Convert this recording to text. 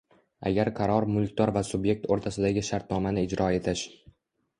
agar qaror mulkdor va subyekt o‘rtasidagi shartnomani ijro etish